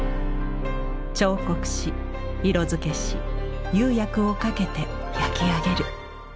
彫刻し色づけし釉薬をかけて焼き上げる。